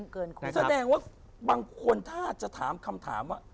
คือแสดงว่าบางคนถ้าจะถามคำถามว่า